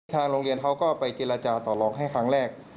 โรงเรียนเขาก็ไปเจรจาต่อลองให้ครั้งแรก